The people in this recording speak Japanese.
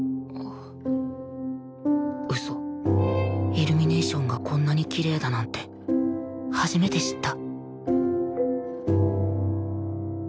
イルミネーションがこんなにきれいだなんて初めて知った